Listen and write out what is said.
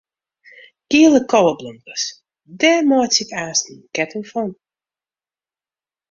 Giele koweblomkes, dêr meitsje ik aanst in ketting fan.